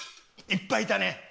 いっぱいいたね。